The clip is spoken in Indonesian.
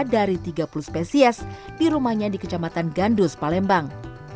dari tiga puluh spesies di rumahnya di kecamatan gandus palembang